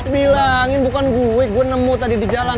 bilangin bukan gue gue nemu tadi di jalan